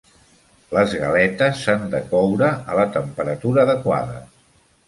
Les galetes s'han de coure a la temperatura adequada.